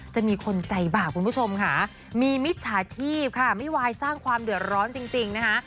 จะมีคนใจบาปคุณผู้ชมค่ะมีมิจฉาชีพค่ะไม่วายสร้างความเดือดร้อนจริงนะคะ